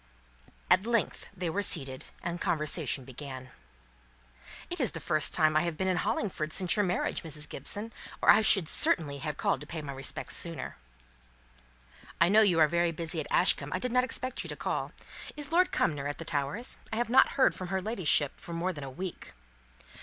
At length they were seated, and conversation began. "It is the first time I have been in Hollingford since your marriage, Mrs. Gibson, or I should certainly have called to pay my respects sooner." "I know you are very busy at Ashcombe. I did not expect you to call. Is Lord Cumnor at the Towers? I have not heard from her ladyship for more than a week!"